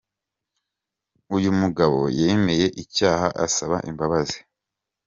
Uyu mugabo yemeye icyaha, asaba imbabazi.